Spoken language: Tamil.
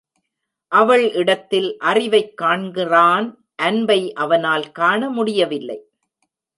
அவள் இடத்தில் அறிவைக் காண்கிறான் அன்பை அவனால் காண முடியவில்லை.